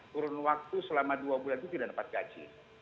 kurun waktu selama dua bulan itu tidak dapat gaji